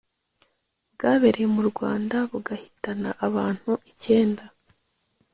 bwabereye mu rwanda bugahitana abantu icyenda